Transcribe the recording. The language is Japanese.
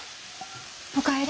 お帰り。